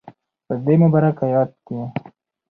په دی مبارک ایت کی